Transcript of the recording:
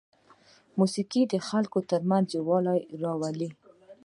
موسیقي د خلکو ترمنځ یووالی راولي.